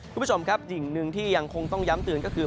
คุณผู้ชมครับสิ่งหนึ่งที่ยังคงต้องย้ำเตือนก็คือ